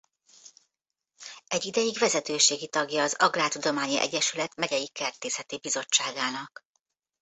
Egy ideig vezetőségi tagja az Agrártudományi Egyesület megyei kertészeti bizottságának.